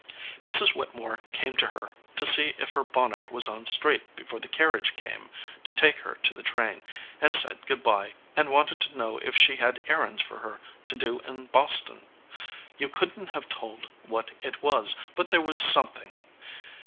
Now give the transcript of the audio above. Mrs. Whitte more came to her to see if her bonnet was on straight before the carriage came to take her to the train, and said good by, and wanted to know if she had errands for her to do in Boston. You couldn t have told what it was, but there was some thing.